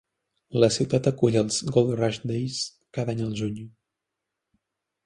La ciutat acull els "Gold Rush Days" cada any al juny.